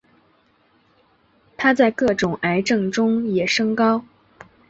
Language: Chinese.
它在各种癌症中也升高。